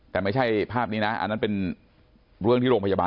แต่ไม่ใช่ภาพนี้นะอันนั้นเป็นเรื่องที่โรงพยาบาล